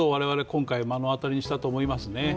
今回、目の当たりにしたと思いますね。